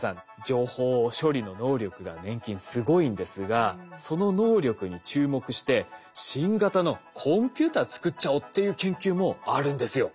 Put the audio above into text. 情報処理の能力が粘菌すごいんですがその能力に注目して新型のコンピューター作っちゃおうっていう研究もあるんですよ。